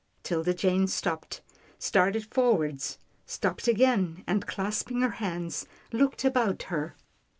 'Tilda Jane stopped, started forward, stopped again, and clasping her hands looked about her.